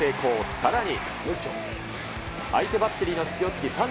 さらに。